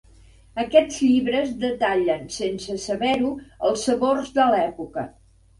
Aquests llibres detallen, sense saber-ho, els sabors de l'època.